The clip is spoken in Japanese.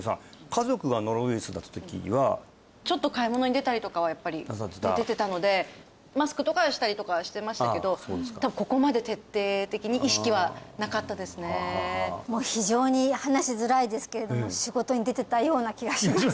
家族がノロウイルスになった時はちょっと買い物に出たりとかはやっぱり出てたのでマスクとかしたりとかしてましたけどああそうですかもう非常に話しづらいですけれども仕事に出てたような気がします